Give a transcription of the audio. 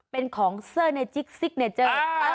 เป็นของเซอร์ในจิ๊กซิกเนเจอร์